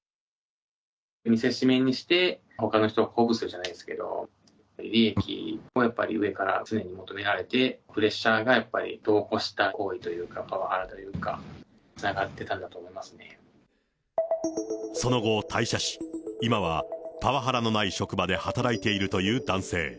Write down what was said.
見せしめにして、ほかの人を鼓舞するじゃないですけど、利益をやっぱり、上から常に求められてプレッシャーがやっぱり、度を越した行為というか、パワハラというか、つながってたんだとその後、退社し、今はパワハラのない職場で働いているという男性。